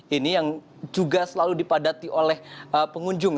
ini yang juga selalu dipadati oleh pengunjung